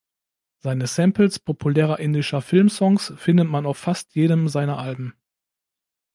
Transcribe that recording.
Seine Samples populärer indischer Film-Songs findet man auf fast jedem seiner Alben.